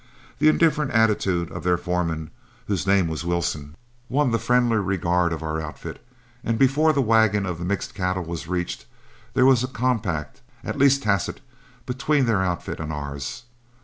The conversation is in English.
The indifferent attitude of their foreman, whose name was Wilson, won the friendly regard of our outfit, and before the wagon of the mixed cattle was reached, there was a compact, at least tacit, between their outfit and ours.